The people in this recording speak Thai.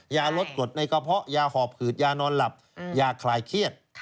ยาลดกรดในกระเพาะยาหอบหืดยานอนหลับยาคลายเครียด